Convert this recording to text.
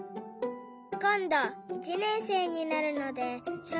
こんど１ねんせいになるのでしょう